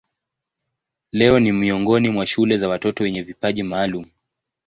Leo ni miongoni mwa shule za watoto wenye vipaji maalumu.